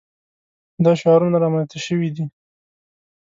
دا شعارونه رامنځته شوي دي.